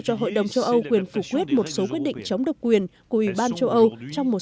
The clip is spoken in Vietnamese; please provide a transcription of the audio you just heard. cho hội đồng châu âu quyền phủ quyết một số quyết định chống độc quyền của ủy ban châu âu trong một